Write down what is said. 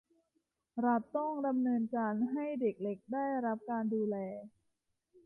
รัฐต้องดำเนินการให้เด็กเล็กได้รับการดูแล